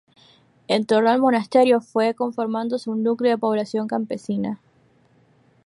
En torno al Monasterio fue conformándose un núcleo de población campesina.